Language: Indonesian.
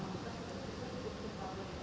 atau dianggap dengan banyak orang